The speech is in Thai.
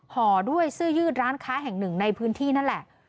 ห่อด้วยเสื้อยืดร้านค้าแห่งหนึ่งในพื้นที่นั่นแหละ